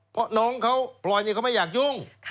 เพราะน้องเขาพลอยเขาไม่อยากยุ่ง